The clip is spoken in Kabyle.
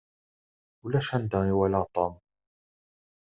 Ulac anda i walaɣ Tom.